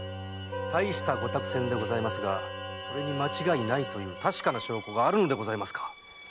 大したご託宣でございますがそれに間違いないという確かな証拠があるのでございますか？